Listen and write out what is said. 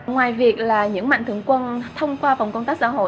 ngoài việc là những mạnh thượng quân thông qua phòng công tác xã hội